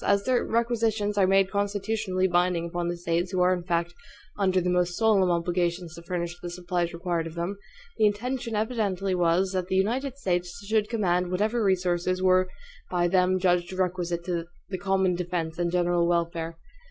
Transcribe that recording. As their requisitions are made constitutionally binding upon the States, who are in fact under the most solemn obligations to furnish the supplies required of them, the intention evidently was that the United States should command whatever resources were by them judged requisite to the "common defense and general welfare."